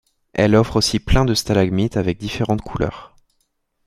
Elle offre aussi plein de stalagmites avec différentes couleurs.